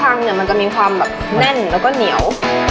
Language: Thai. ปลาคังเนี่ยมันจะมีความแน่นแล้วก็เหนียว